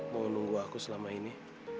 mau nunggu aku selama ini